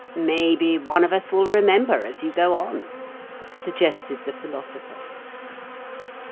"Maybe one of us will remember as you go on," suggested the Philosopher.